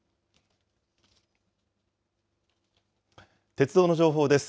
鉄道の情報です。